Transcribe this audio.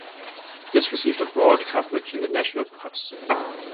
This received a broad coverage in the national press.